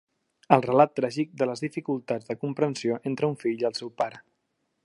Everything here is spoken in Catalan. El relat tràgic de les dificultats de comprensió entre un fill i el seu pare.